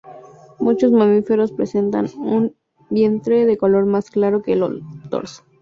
Muchos mamíferos presentan un vientre de color más claro que el dorso.